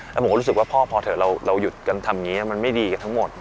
แล้วผมก็รู้สึกว่าพ่อพอเถอะเราหยุดกันทำอย่างนี้มันไม่ดีกันทั้งหมด